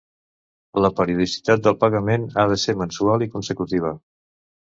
La periodicitat del pagament ha de ser mensual i consecutiva.